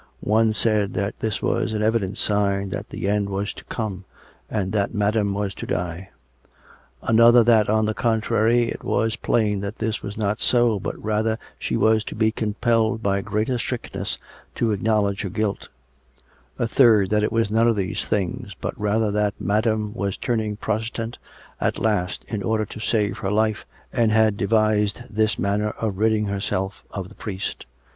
One said that this .was an evident sign that the end COME RACK! COME ROPE! 329 was to come and that Madam was to die; another that, on the contrary, it was plain that this was not so, but that rather she was to be compelled by greater strictness to acknowledge her guilt; a third, that it was none of these things, but rather that Madam was turning Protestant at last in order to save her life, and had devised this manner of ridding herself of the priest.